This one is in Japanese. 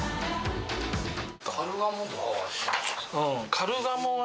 カルガモは？